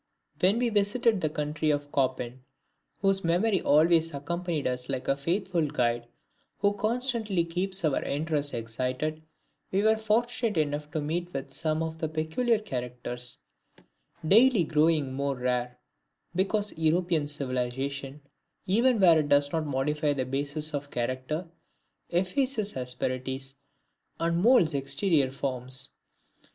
When we visited the country of Chopin, whose memory always accompanied us like a faithful guide who constantly keeps our interest excited, we were fortunate enough to meet with some of the peculiar characters, daily growing more rare, because European civilization, even where it does not modify the basis of character, effaces asperities, and moulds exterior forms.